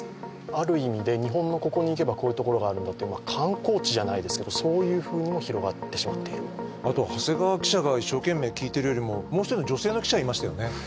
ある意味で日本のここに行けばこういうところがあるんだっていうのは観光地じゃないですけどそういうふうにも広がってしまっているあとは長谷川記者が一生懸命聞いてるよりももう一人の女性の記者いましたよね？